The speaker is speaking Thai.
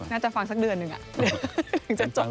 น่าจะฟังสักเดือนหนึ่ง